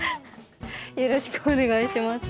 よろしくお願いします。